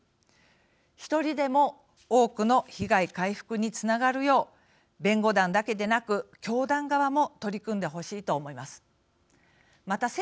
１人でも多くの被害回復につながるよう弁護団だけでなく教団側も取り組んでほしいと思います。